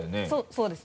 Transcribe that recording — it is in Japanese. そうですね。